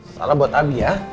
salam buat abi ya